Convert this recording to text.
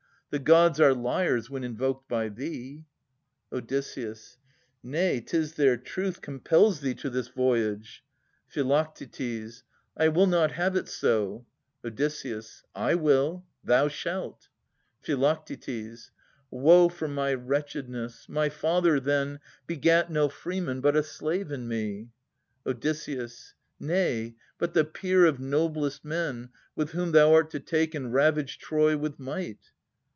The gods are liars when invoked by thee. Od. Nay, 'tis their truth compels thee to this voyage. Phi. I will not have it so. Od. I will. Thou shalt. Phi. Woe for my wretchedness ! My father, then, Begat no freeman, but a slave in me. Od. Nay, but the peer of noblest men, with whom Thou art to take and ravage Troy with might.